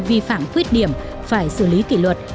vi phạm khuyết điểm phải xử lý kỷ luật